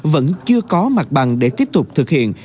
vẫn chưa có mặt bằng để tiếp tục thực hiện